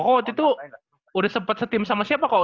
kok waktu itu udah sempet setim sama siapa kok